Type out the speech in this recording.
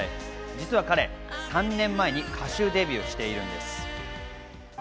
実は彼、３年前に歌手デビューしているんです。